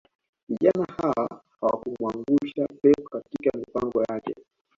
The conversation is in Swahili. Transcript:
Vijana hawa hawakumuangusha pep katika mipango yake